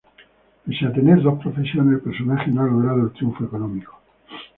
Pese a tener dos profesiones, el personaje no ha logrado el triunfo económico.